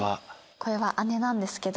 これは姉なんですけど。